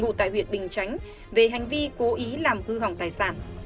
bộ tài huyện bình chánh về hành vi cố ý làm hư hỏng tài sản